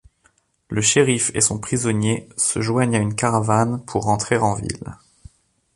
Le shérif et son prisonnier se joignent à une caravane pour rentrer en ville.